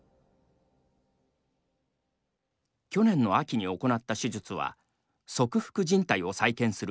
去年の秋に行った手術は側副じん帯を再建する